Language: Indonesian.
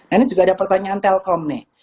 ini juga ada pertanyaan telkom nih